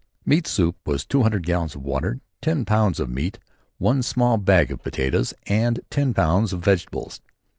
Meat soup was two hundred gallons of water, ten pounds of meat, one small bag of potatoes and ten pounds of vegetables.